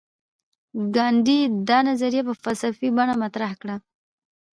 ګاندي دا نظریه په فلسفي بڼه مطرح کړه.